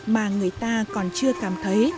mà người ta còn chưa cảm thấy